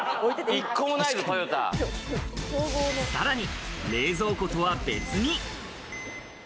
さらに冷蔵庫とは別に。